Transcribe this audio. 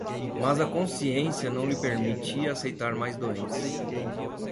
mas a consciência não lhe permitia aceitar mais doentes.